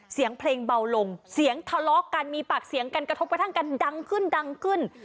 เสียงเพลงเบาลงเสียงทะเลาะกันมีปากเสียงกันกระทบกระทั่งกันดังขึ้นดังขึ้น